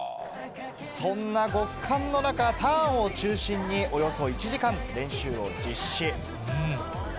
そんな極寒の中、ターンを中心におよそ１時間、練習を実施。